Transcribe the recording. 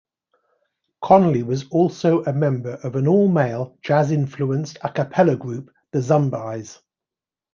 Conley was also a member of an all-male, jazz-influenced a cappella group, the Zumbyes.